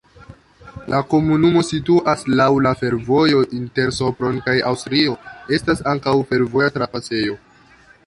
La komunumo situas laŭ la fervojo inter Sopron kaj Aŭstrio, estas ankaŭ fervoja trapasejo.